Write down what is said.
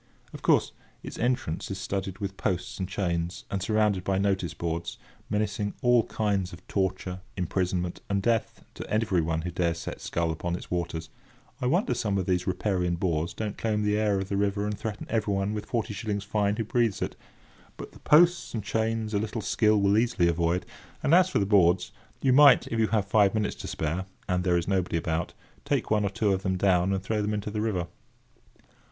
Of course, its entrance is studded with posts and chains, and surrounded with notice boards, menacing all kinds of torture, imprisonment, and death to everyone who dares set scull upon its waters—I wonder some of these riparian boors don't claim the air of the river and threaten everyone with forty shillings fine who breathes it—but the posts and chains a little skill will easily avoid; and as for the boards, you might, if you have five minutes to spare, and there is nobody about, take one or two of them down and throw them into the river.